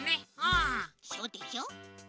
そうでしょ。